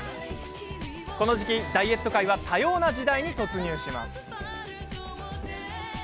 この時期ダイエット界は多様な時代に突入します。